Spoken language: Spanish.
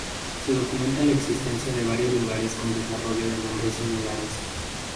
Se documenta la existencia de varios lugares con desarrollo de nombres similares.